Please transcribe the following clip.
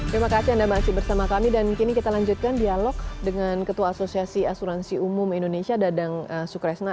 terima kasih anda masih bersama kami dan kini kita lanjutkan dialog dengan ketua asosiasi asuransi umum indonesia dadang sukresna